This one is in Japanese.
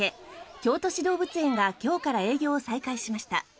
京都市動物園が今日から営業を再開しました。